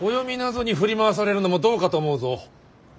暦なぞに振り回されるのもどうかと思うぞ。